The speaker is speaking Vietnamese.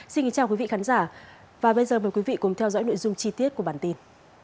xin kính chào quý vị khán giả và bây giờ mời quý vị cùng theo dõi nội dung chi tiết của bản tin